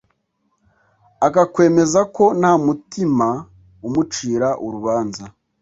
akakwemeza ko nta mutima umucira urubanza